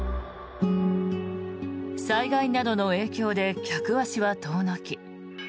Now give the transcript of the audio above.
災害などの影響で客足は遠のき